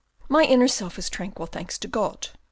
My inner self is tranquil, thanks to God.